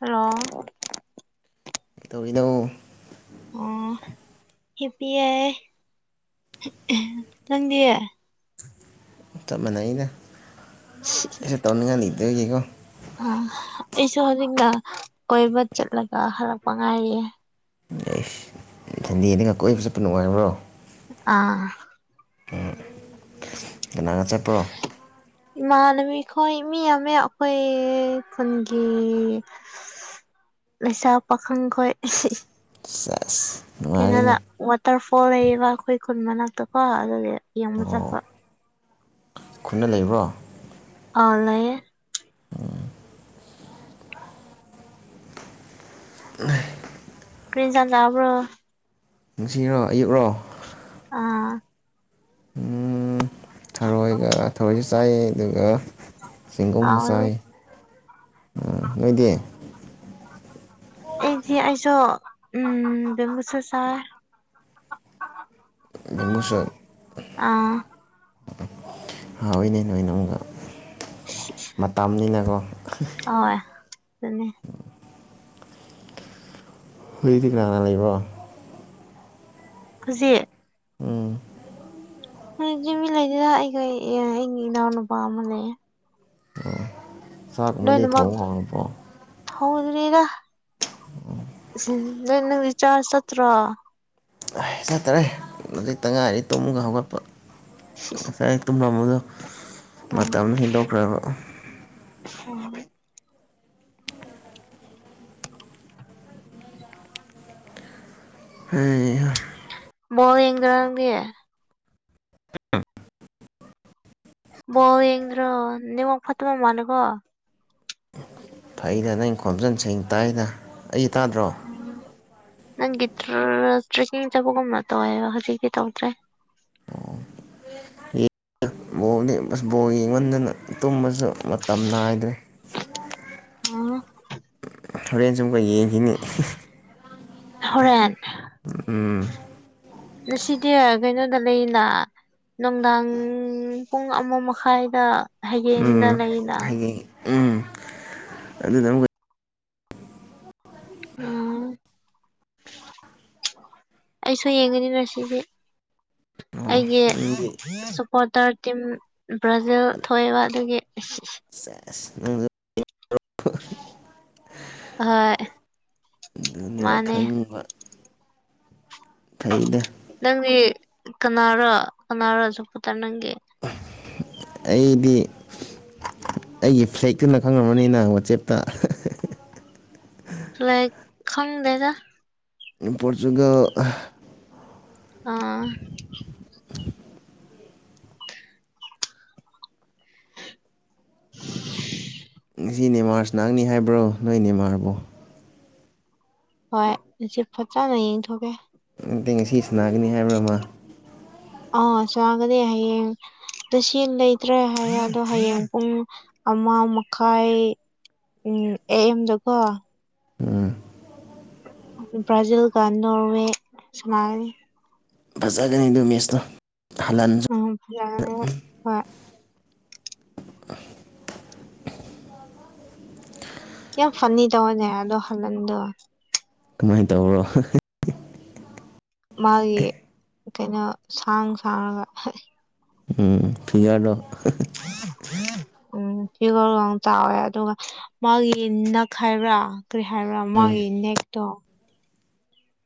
Hello ꯇꯧꯔꯤꯅꯣ ꯑꯣ ꯍꯤꯞꯄꯤꯌꯦ [unintelligible] ꯅꯪꯗꯤ꯫ ꯆꯞ ꯃꯅꯩꯅ ꯑꯩꯁꯨ ꯇꯧꯅꯤꯉꯥꯏ ꯂꯩꯇꯕꯒꯤꯀꯣ ꯑ ꯑꯩꯁꯨ ꯍꯧꯖꯤꯛꯗ ꯀꯣꯏꯕ ꯆꯠꯂꯒ ꯍꯜꯂꯛꯄ ꯉꯥꯏꯔꯤꯌꯦ꯫ ꯁꯟꯗꯦꯅꯤꯅ ꯀꯣꯏꯕ ꯆꯠꯄ ꯅꯨꯡꯉꯥꯏꯕ꯭ꯔꯣ꯫ ꯑꯥ꯫ ꯀꯅꯥꯒ ꯆꯠꯄ꯭ꯔꯣ꯫ ꯏꯃꯥꯟꯅꯕꯤ ꯈꯣꯏ ꯃꯤ ꯌꯥꯝꯃꯦ ꯑꯩꯈꯣꯏ ꯈꯨꯟꯒꯤ ꯂꯩꯁꯥ ꯄꯥꯈꯪ ꯈꯣꯏ ꯁꯦꯁ ꯀꯩꯅꯣꯗ ꯅꯨꯡꯉꯥꯏꯔꯤꯅꯦ ꯋꯥꯇꯔ ꯐꯣꯜ ꯂꯩꯌꯦꯕ ꯑꯩꯈꯣꯏ ꯈꯨꯟ ꯃꯅꯥꯛꯇꯀꯣ ꯑꯗꯨꯒꯤ ꯌꯦꯡꯕ ꯆꯠꯄ꯫ ꯑꯣ ꯈꯨꯟꯗ ꯂꯩꯕ꯭ꯔꯣ꯫ ꯑ ꯂꯩꯌꯦ꯫ ꯀ꯭ꯔꯤ ꯏꯟꯁꯥꯡ ꯆꯥꯕ꯭ꯔꯣ꯫ ꯉꯁꯤꯔꯣ ꯑꯌꯨꯛꯔꯣ꯫ ꯑꯥ꯫ ꯎꯝ ꯊꯔꯣꯏꯒ ꯊꯔꯣꯏꯁꯨ ꯆꯥꯏ ꯑꯗꯨꯒ ꯆꯦꯡꯒꯨꯝꯁꯨ ꯍꯥꯎꯅꯤ ꯆꯥꯏ꯫ ꯎꯝ ꯅꯣꯏꯗꯤ꯫ ꯑꯩꯗꯤ ꯑꯩꯁꯨ ꯎꯝ ꯕꯦꯝꯕꯨꯨꯁꯨꯠ ꯆꯥꯏ꯫ [unintelligible] ꯕꯦꯝꯕꯨꯁꯨꯠ꯫ ꯑꯥ꯫ ꯍꯧꯏꯅꯦ ꯅꯣꯏꯅ ꯑꯃꯨꯛ ꯃꯇꯝꯅꯤꯅꯀꯣ꯫ ꯍꯣꯏ ꯗꯨꯅꯤ꯫ ꯍꯨꯏꯗꯤ ꯀꯅꯥ ꯀꯅ ꯂꯩꯕ꯭ꯔꯣ꯫ ꯍꯨꯖꯤꯛ꯫ ꯎꯝ ꯍꯧꯖꯤꯛꯇꯤ ꯃꯤ ꯂꯩꯗꯦꯗ ꯑꯩꯈꯣꯏ ꯑꯩꯒꯤ ꯏꯅꯥꯎ ꯅꯨꯨꯄꯥ ꯑꯃ ꯂꯩꯌꯦ꯫ ꯆꯥꯛꯀꯨꯝꯕꯗꯤ ꯂꯣꯏꯅꯃꯛ ꯊꯣꯡ ꯍꯧꯔꯕꯣ ꯍꯧꯗ꯭ꯔꯤꯗ [unintelligible] ꯆꯥ ꯆꯥꯠꯇꯔꯣ ꯆꯠꯇꯔꯦ ꯍꯧꯖꯤꯛꯇ ꯉꯥꯏꯔꯤ ꯇꯨꯝꯒ ꯍꯧꯒꯠꯄ ꯁꯤꯁ ꯉꯁꯥꯏ ꯇꯨꯝꯃꯝꯕꯗꯣ ꯎꯝ ꯃꯇꯝ ꯍꯦꯟꯗꯣꯛꯈ꯭ꯔꯕ꯫ [unintelligible] ꯍꯩꯍ꯫ [unintelligible] ꯕꯣꯜ ꯌꯦꯡꯗ꯭ꯔꯣ ꯅꯦꯋꯥꯛ ꯐꯠꯇꯕ ꯃꯥꯅꯀꯣ ꯊꯩꯗ ꯅꯪ ꯈꯣꯝꯖꯟ ꯁꯤꯡ ꯇꯥꯏꯗ ꯑꯩ ꯇꯥꯗ꯭ꯔꯣ ꯅꯪꯒꯤ [unintelligible] ꯇ꯭ꯔꯦꯛꯀꯤꯡ ꯆꯠꯄꯒꯨꯝꯅ ꯇꯧꯋꯦꯕ ꯍꯧꯖꯤꯛꯇꯤ ꯇꯧꯗ꯭ꯔꯦ ꯕꯣꯅꯤ ꯑꯁ ꯕꯣꯜ ꯌꯦꯡꯃꯟꯗꯅ ꯇꯨꯝꯕꯁꯨ ꯃꯇꯝ ꯅꯥꯏꯗ꯭ꯔꯦ ꯑꯣ ꯍꯣꯔꯦꯟꯁꯨ ꯑꯃꯨꯛꯀ ꯌꯦꯡꯈꯤꯅꯤ ꯍꯣꯔꯦꯟ ꯎꯝ ꯉꯁꯤꯗꯤ ꯀꯩꯅꯣꯗ ꯂꯩꯅ ꯅꯨꯡꯗꯥꯡ ꯄꯨꯡ ꯑꯃ ꯃꯈꯥꯏꯗ ꯍꯌꯦꯡꯗ ꯎꯝ ꯂꯩꯅ ꯍꯌꯦꯡ ꯎꯝ ꯑꯗꯨꯗ ꯑꯃꯨꯛ ꯎꯝ ꯑꯩꯁꯨ ꯌꯦꯡꯒꯅꯤ ꯉꯁꯤꯗꯤ ꯑꯣ ꯑꯩꯒꯤ ꯅꯪꯗꯤ ꯁꯄꯣꯔꯇꯔ ꯇꯤꯝ ꯕ꯭ꯔꯥꯖꯤꯜ ꯊꯣꯏꯑꯦꯕ ꯑꯗꯨꯒꯤ ꯁꯦꯁ ꯍꯣꯏ [unintelligible] ꯑꯗꯨꯅꯦꯕ ꯃꯥꯅꯦ ꯈꯪꯉꯤꯕ ꯊꯩꯗꯦ ꯅꯪꯗꯤ ꯀꯅꯥꯔꯣ ꯀꯅꯥꯔꯣ ꯁꯞꯄꯣꯠꯇ ꯅꯪꯒꯤ ꯑꯩꯗꯤ ꯑꯩꯒꯤ ꯐ꯭ꯂꯦꯛꯇꯨꯅ ꯈꯪꯉꯝꯃꯅꯤꯅ ꯋꯥꯆꯦꯞꯇ ꯐ꯭ꯂꯦꯛ ꯈꯪꯗꯦꯗ ꯄꯣꯔꯇꯨꯒꯜ ꯑꯥ ꯉꯁꯤ ꯅꯦꯃꯥꯔ ꯁꯥꯟꯅꯍꯪꯅꯤ ꯍꯥꯏꯕ꯭ꯔꯣ ꯅꯣꯏ ꯅꯦꯃꯥꯔꯕꯣ ꯍꯣꯏ ꯉꯁꯤ ꯐꯖꯅ ꯌꯦꯡꯊꯣꯛꯀꯦ ꯅꯠꯇꯩ ꯉꯁꯤ ꯁꯥꯟꯅꯒꯅꯤ ꯍꯥꯏꯕꯔ ꯃ ꯑ ꯆꯥꯒꯅꯤ ꯍꯌꯦꯡ ꯉꯁꯤ ꯂꯩꯇ꯭ꯔꯦ ꯍꯥꯏꯔ ꯑꯗꯣ ꯍꯌꯦꯡ ꯄꯨꯡ ꯑꯃ ꯃꯈꯥꯏ ꯎꯝ ꯑꯦꯝꯗꯀꯣ ꯎꯝ ꯕ꯭ꯔꯥꯖꯤꯜꯒ ꯅꯣꯔꯋꯦ ꯁꯥꯟꯅꯒꯅꯤ ꯐꯖꯒꯅꯤ ꯑꯗꯨ ꯃꯦꯁꯇꯣ ꯍꯜꯂꯟꯁꯨ ꯎꯝ ꯌꯥꯅꯤ ꯍꯣꯏ ꯍꯣꯏ ꯌꯥꯝ ꯐꯅꯤ ꯇꯧꯕꯅꯦ ꯑꯗꯨ ꯍꯜꯂꯟꯗꯣ ꯀꯃꯥꯏ ꯇꯧꯕꯔꯣ ꯃꯥꯒꯤ ꯀꯩꯅꯣ ꯁꯥꯡ ꯁꯥꯡꯉꯒ ꯍꯛ ꯑꯦ ꯎꯝ ꯐꯤꯔꯂꯣ ꯎꯝ ꯏꯒꯣ ꯌꯥꯝ ꯆꯥꯎꯋꯦ ꯑꯗꯨꯒ ꯃꯥꯒꯤ ꯅꯛ ꯍꯥꯏꯕ꯭ꯔꯥ ꯀꯔꯤ ꯍꯥꯏꯕ꯭ꯔꯥ ꯎꯝ ꯃꯥꯒꯤ ꯅꯦꯛꯇꯣ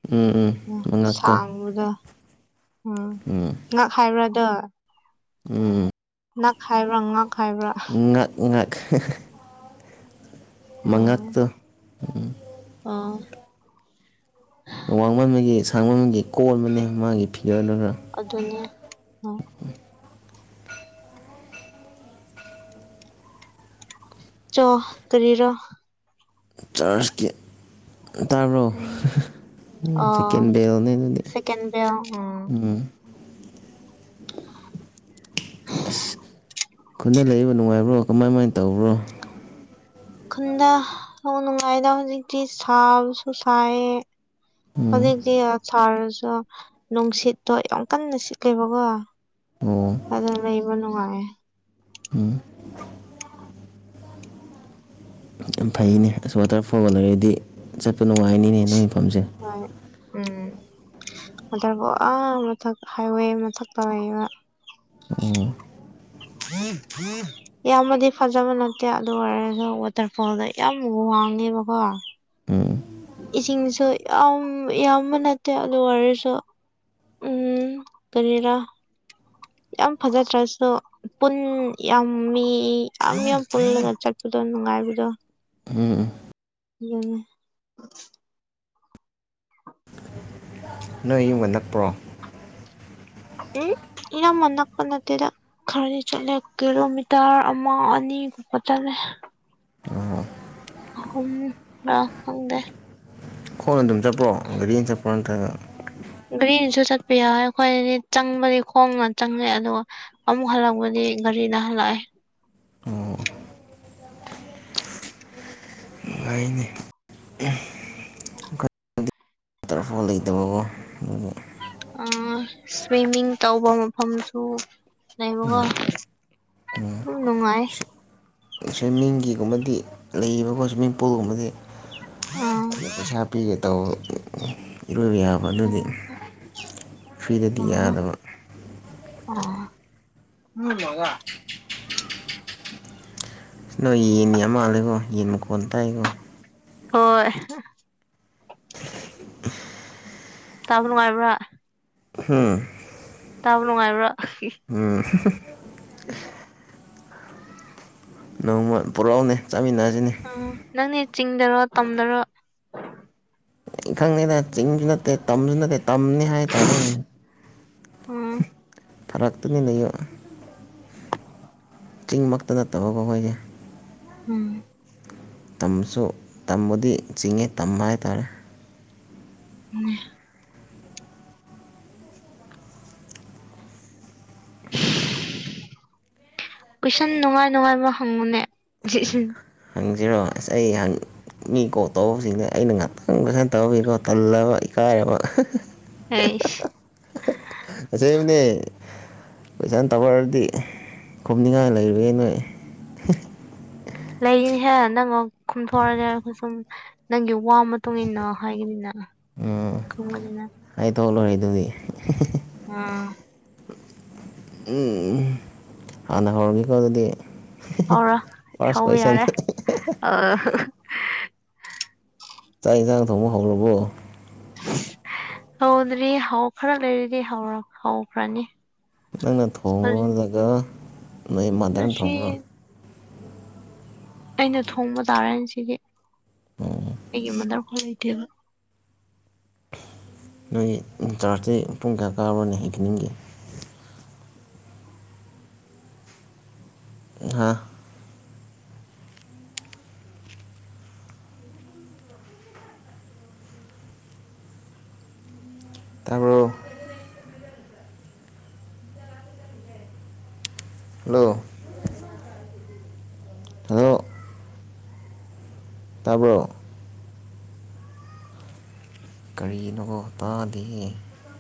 ꯎꯝ ꯎꯝ ꯃꯉꯛꯇꯣ ꯁꯥꯡꯕꯗ ꯎꯝ ꯉꯥꯛ ꯍꯥꯏꯕ꯭ꯔꯥꯗꯣ ꯎꯝ ꯅꯛ ꯍꯥꯏꯕ꯭ꯔꯥ ꯉꯥꯛ ꯉꯥꯛ ꯉꯥꯛ ꯎꯝ ꯃꯉꯥꯛꯇꯣ ꯑꯥ ꯋꯥꯡꯃꯟꯕꯒꯤ ꯁꯥꯡꯃꯟꯕꯒꯤ ꯀꯣꯟꯕꯅꯦ ꯃꯥꯒꯤ ꯐꯤꯒꯔꯗꯨꯅ ꯑꯗꯨꯅꯦ ꯑ ꯆꯣ ꯀꯔꯤꯔꯥ ꯆꯥꯔꯁꯀꯤ ꯇꯥꯕ꯭ꯔꯣ ꯎꯝ ꯎꯝ ꯑꯥ ꯁꯦꯀꯦꯟ ꯕꯦꯜꯅꯦ ꯑꯗꯨꯗꯤ ꯁꯦꯀꯦꯟ ꯕꯦꯜ ꯎꯝ ꯑꯁ ꯈꯨꯟꯗ ꯂꯩꯕ ꯅꯨꯡꯉꯥꯏꯕ꯭ꯔꯣ ꯀꯃꯥꯏ ꯀꯃꯥꯏꯅ ꯇꯧꯕ꯭ꯔꯣ ꯈꯨꯟꯗ ꯍꯣ ꯅꯨꯡꯉꯥꯏꯗ ꯍꯧꯖꯤꯛꯇꯤ ꯁꯥꯕꯁꯨ ꯁꯥꯏꯌꯦ ꯍꯧꯖꯤꯛꯇꯤ ꯌꯥ ꯁꯥꯔꯁꯨ ꯅꯨꯡꯁꯤꯠꯇꯣ ꯌꯥꯝ ꯀꯟꯅ ꯁꯤꯠꯂꯦꯕꯀꯣ ꯑꯣ ꯑꯗꯨꯅ ꯂꯩꯕ ꯅꯨꯡꯉꯥꯏꯌꯦ ꯌꯥꯝ ꯐꯩꯅꯦ ꯑꯁ ꯋꯥꯇꯔꯐꯣꯜ ꯂꯩꯔꯗꯤ ꯆꯠꯄ ꯅꯨꯡꯉꯥꯏꯅꯤꯅꯦ ꯅꯣꯏ ꯐꯝꯁꯦ ꯍꯣꯏ ꯎꯝ [unintelligible] [inaudible] ꯋꯥꯇꯔꯐꯣꯜ ꯑꯥ ꯃꯊꯛ ꯍꯥꯏꯋꯦ ꯃꯊꯛꯇ ꯂꯩꯑꯦꯕ ꯑꯣ [unintelligible] [inaudible] ꯌꯥꯝꯅꯗꯤ ꯐꯖꯕ ꯅꯠꯇꯦ ꯑꯗꯨ ꯑꯣꯏꯔꯁꯨ ꯋꯥꯇꯔꯐꯣꯜꯗ ꯌꯥꯝ ꯋꯥꯡꯉꯦꯕꯀꯣ ꯎꯝ ꯎꯝ ꯏꯁꯤꯡꯁꯨ ꯌꯥꯝ ꯌꯥꯝꯕ ꯅꯠꯇꯦ ꯑꯗꯨ ꯑꯣꯏꯔꯁꯨ ꯎꯝ ꯀꯔꯤꯔꯥ ꯌꯥꯝ ꯐꯖꯗ꯭ꯔꯁꯨ ꯄꯨꯟ ꯌꯥꯝꯃꯤ ꯌꯥꯝ ꯌꯥꯝ ꯄꯨꯜꯂꯒ ꯆꯠꯄꯗꯣ ꯅꯨꯡꯉꯥꯏꯕꯗꯣ ꯎꯝ ꯎꯝ ꯌꯦꯡꯉꯣ ꯅꯣꯏ ꯌꯨꯝꯒ ꯅꯛꯄ꯭ꯔꯣ ꯎꯝ ꯏꯅꯝꯃ ꯅꯛꯄ ꯅꯠꯇꯦꯗ ꯈ꯭ꯔꯗꯤ ꯆꯠꯂꯦ ꯀꯤꯂꯣꯃꯤꯇꯔ ꯑꯃ ꯑꯅꯤꯒꯨꯝꯕ ꯆꯠꯂꯦ ꯑꯣ [unintelligible] ꯑꯍꯨꯝꯂ ꯈꯪꯗꯦ ꯈꯣꯡꯅ ꯑꯗꯨꯝ ꯆꯠꯄ꯭ꯔꯣ ꯒꯥꯔꯤꯅ ꯆꯠꯄ꯭ꯔꯣ ꯅꯠꯇ꯭ꯔꯒ ꯒ꯭ꯔꯤꯅꯁꯨ ꯆꯠꯄ ꯌꯥꯎꯏ ꯑꯩꯈꯣꯏꯗꯤ ꯆꯪꯕꯗꯤ ꯈꯣꯡꯅ ꯆꯪꯉꯦ ꯑꯗꯨꯒ ꯑꯃꯨꯛ ꯍꯜꯂꯛꯄꯗꯤ ꯒꯥꯔꯤꯅ ꯍꯜꯂꯛꯑꯦ ꯑꯣ ꯌꯥꯏꯅꯦ ꯋꯥꯇꯔꯐꯣꯜ ꯂꯩꯇꯕꯒꯣ ꯑꯗꯨꯗꯤ ꯑꯥ ꯁ꯭ꯋꯤꯝꯃꯤꯡ ꯇꯧꯕ ꯃꯐꯝꯁꯨ ꯂꯩꯕꯀꯣ ꯗꯨꯝ ꯅꯨꯡꯉꯥꯏꯌꯦ ꯁ꯭ꯋꯤꯝꯃꯤꯡꯒꯤꯒꯨꯝꯕꯗꯤ ꯂꯩꯌꯦꯕꯀꯣ ꯁ꯭ꯋꯤꯝꯃꯤꯡ ꯄꯨꯜꯒꯨꯝꯕꯗꯤ ꯑꯥ ꯑꯗꯣ ꯄꯩꯁꯥ ꯄꯤꯒꯦ ꯇꯧꯕ ꯏꯔꯣꯏꯕ ꯌꯥꯕ ꯑꯗꯨꯗꯤ ꯐ꯭ꯔꯤꯗꯗꯤ ꯌꯥꯗꯕ ꯎꯝ [unintelligible] ꯅꯣꯏ ꯌꯦꯟ ꯌꯥꯝ ꯃꯥꯜꯂꯦꯀꯣ ꯌꯦꯟ ꯃꯈꯣꯟ ꯇꯥꯏꯀꯣ ꯍꯣꯏ ꯇꯥꯕ ꯅꯨꯡꯉꯥꯏꯕ꯭ꯔꯥ ꯍꯨꯝ ꯇꯥꯕ ꯅꯨꯡꯉꯥꯏꯕ꯭ꯔꯥ ꯎꯝ [unintelligible] [inaudible] ꯅꯣꯡꯃ ꯄꯨꯔꯛꯑꯣꯅꯦ ꯆꯥꯃꯤꯟꯅꯁꯤꯅꯦ ꯎꯝ ꯅꯪꯗꯤ ꯆꯤꯡꯗꯔꯣ ꯇꯝꯗꯔꯣ ꯈꯪꯗꯦꯗ ꯆꯤꯡꯁꯨ ꯅꯠꯇꯦ ꯇꯝꯁꯨ ꯅꯠꯇꯦ ꯇꯝꯅꯤ ꯍꯥꯏꯇꯥꯔꯦꯅꯦ ꯎꯝ ꯐꯔꯛ ꯇꯅꯤ ꯂꯩꯌꯨ ꯆꯤꯡꯃꯛꯇ ꯅꯠꯇꯕꯀꯣ ꯑꯩꯈꯣꯏꯁꯦ ꯎꯝ ꯇꯝꯁꯨ ꯇꯝꯕꯨꯗꯤ ꯆꯤꯡꯉꯦ ꯇꯝ ꯍꯥꯏꯇꯥꯔꯦ ꯎꯝ ꯀꯣꯏꯁꯟ ꯅꯨꯡꯉꯥꯏ ꯅꯨꯡꯉꯥꯏꯕ ꯍꯪꯉꯨꯅꯦ ꯍꯪꯁꯤꯔꯣ ꯑꯁ ꯑꯩ ꯍꯪ ꯃꯤ ꯀꯣꯜ ꯇꯧꯕꯁꯤꯡꯁꯦ ꯑꯩꯅ ꯉꯥꯛꯇꯪ ꯇꯧꯕꯒꯤꯀꯣ ꯇꯜꯂꯦꯕ ꯏꯀꯥꯏꯌꯦꯕꯥ ꯑꯩꯁ ꯑꯁꯦꯡꯕꯅꯦ ꯀꯣꯏꯁꯟ ꯇꯧꯅꯔꯗꯤ ꯈꯨꯝꯅꯤꯡꯉꯥꯏ ꯂꯩꯔꯣꯏꯌꯦ ꯅꯣꯏ ꯂꯩꯅꯤꯍꯦ ꯅꯪꯑꯣ ꯈꯨꯝꯊꯣꯔꯛꯑꯗꯤ ꯑꯩꯈꯣꯏ ꯁꯨꯝ ꯅꯪꯒꯤ ꯋꯥ ꯃꯇꯨꯡ ꯏꯟꯅ ꯍꯥꯏꯒꯅꯤꯅ ꯈꯨꯝꯒꯅꯤꯅ ꯍꯥꯏꯗꯣꯛꯂꯔꯣꯏ ꯑꯗꯨꯗꯤ ꯎꯝ ꯎꯝ ꯍꯥꯟꯅ ꯍꯧꯔꯒꯦꯀꯣ ꯑꯗꯨꯗꯤ ꯍꯧꯔꯣ ꯐꯥꯔꯁ ꯍꯧꯕ ꯀꯣꯏꯁꯟ ꯌꯥꯔꯦ ꯑ ꯆꯥꯛ ꯌꯦꯟꯖꯥꯡ ꯊꯣꯡꯕ ꯍꯧꯔꯕꯣ ꯍꯧꯗ꯭ꯔꯤ ꯍꯧ ꯈꯔ ꯂꯩꯔꯤꯗꯤ ꯍꯧꯔ ꯍꯧꯈ꯭ꯔꯅꯤ ꯅꯪꯅ ꯊꯣꯡꯕꯔꯣ ꯍꯧꯖꯤꯛ ꯅꯠꯇ꯭ꯔꯒ ꯅꯣꯏ ꯃꯥꯗꯔꯅ ꯉꯁꯤ ꯊꯣꯡꯕ꯭ꯔꯣ꯫ ꯑꯩꯅ ꯊꯣꯡꯕ ꯇꯥꯔꯦꯅꯦ ꯉꯁꯤꯗꯤ ꯑꯩꯒꯤ ꯃꯗꯔ ꯈꯣꯏ ꯂꯩꯇꯦꯕ꯫ ꯅꯣꯏꯒꯤ ꯏꯟ ꯆꯥꯔꯖꯇꯤ ꯄꯨꯡ ꯀꯌꯥ ꯀꯕ꯭ꯔꯣꯅꯦ ꯏꯚꯤꯅꯤꯡꯒꯤ꯫ ꯍꯥ ꯇꯥꯕ꯭ꯔꯣ ꯍꯜꯂꯣ ꯍꯜꯂꯣ ꯇꯥꯕ꯭ꯔꯣ ꯀꯔꯤꯅꯣ ꯇꯥꯗꯦꯍꯦ